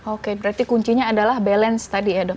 oke berarti kuncinya adalah balance tadi ya dok